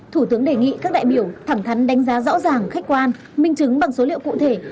thủ tướng đề nghị các đại biểu thẳng thắn đánh giá rõ ràng khách quan minh chứng bằng số liệu cụ thể